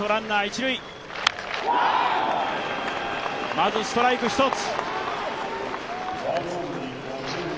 まずストライク１つ。